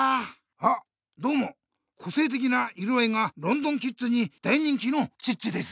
あどうもこせいてきな色合いがロンドンキッズに大人気のチッチです。